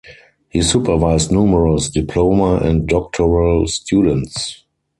He supervised numerous diploma and doctoral students.